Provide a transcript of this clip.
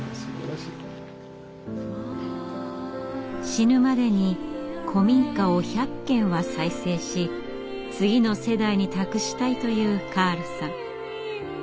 死ぬまでに古民家を１００軒は再生し次の世代に託したいというカールさん。